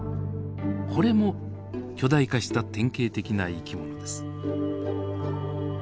これも巨大化した典型的な生き物です。